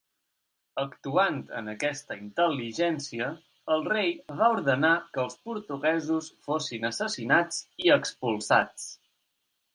Actuant en aquesta intel·ligència, el rei va ordenar que els portuguesos fossin assassinats i expulsats.